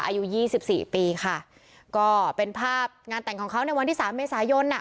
อายุยี่สิบสี่ปีค่ะก็เป็นภาพงานแต่งของเขาในวันที่สามเมษายนอ่ะ